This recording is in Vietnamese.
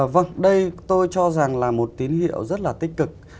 vâng đây tôi cho rằng là một tín hiệu rất là tích cực